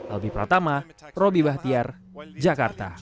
albi pratama roby bahtiar jakarta